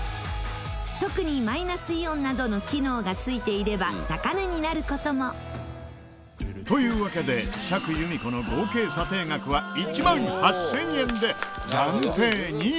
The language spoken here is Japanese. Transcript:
特にマイナスイオンなどの機能がついていれば高値になる事も。というわけで釈由美子の合計査定額は１万８０００円で暫定２位。